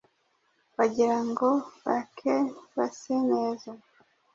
bagira ngo bake base neza